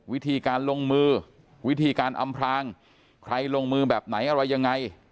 วิธีการลงมือวิธีการอำพลางใครลงมือแบบไหนอะไรยังไง